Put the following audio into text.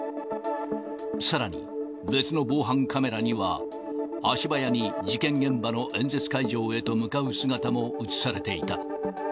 さらに別の防犯カメラには、足早に事件現場の演説会場へと向かう姿も写されていた。